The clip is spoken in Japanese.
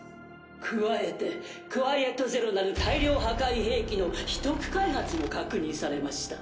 加えてクワイエット・ゼロなる大量破壊兵器の秘匿開発も確認されました。